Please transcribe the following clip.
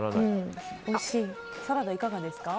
サラダいかがですか？